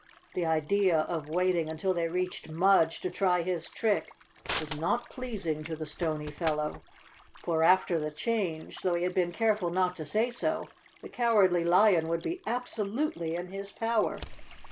The idea of waiting until they reached Mudge to try his trick was not pleasing to the stony fellow, for after the change, though he had been careful not to say so, the Cowardly Lion would be absolutely in his power.